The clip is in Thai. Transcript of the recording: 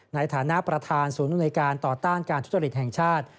ในฐานะประธานศูนย์อำนวยการต่อต้านการทุจริตแห่งชาติ